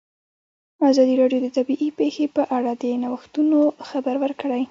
ازادي راډیو د طبیعي پېښې په اړه د نوښتونو خبر ورکړی.